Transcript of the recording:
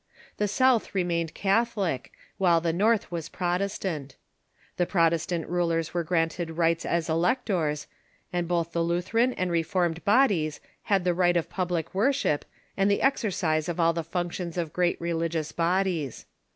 The South remained Catholic, while the North was Protestant. The Protestant rulers were granted rights as electors, and both the Lutheran and Reformed bodies had the right of public worship and the exercise of all the functions of great religious bodies.